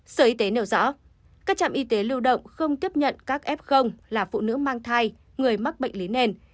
sở y tế nêu rõ các trạm y tế lưu động không tiếp nhận các f là phụ nữ mang thai người mắc bệnh lý nền